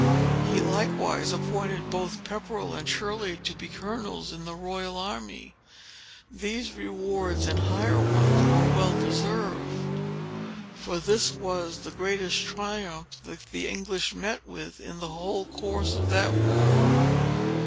"He likewise appointed both Pepperell and Shirley to be colonels in the royal army. These rewards, and higher ones, were well deserved; for this was the greatest triumph that the English met with, in the whole course of that war.